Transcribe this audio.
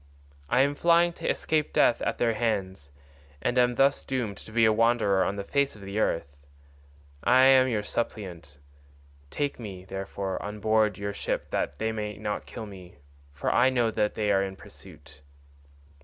I am flying to escape death at their hands, and am thus doomed to be a wanderer on the face of the earth. I am your suppliant; take me, therefore, on board your ship that they may not kill me, for I know they are in pursuit."